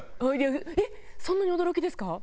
えっそんなに驚きですか？